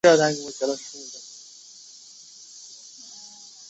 毕业于北京大学西方语言文学系。